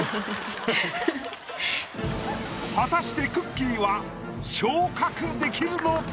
果たしてくっきー！は昇格できるのか？